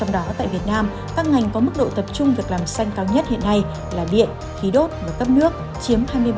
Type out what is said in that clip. trong đó tại việt nam các ngành có mức độ tập trung việc làm xanh cao nhất hiện nay là điện khí đốt và cấp nước chiếm hai mươi ba